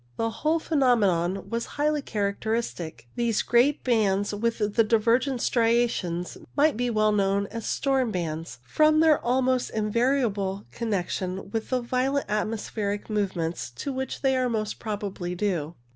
The whole phenomenon was highly character istic. These great bands with the divergent stria tion might well be known as storm bands, from their almost invariable connection with the violent atmo spheric movements to which they are most probably due.